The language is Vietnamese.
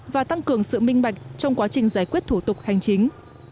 và tăng cường sự minh bạch trong quá trình giải quyết thủ tục hành chính